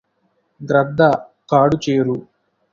గ్రద్ద కాడు చేరు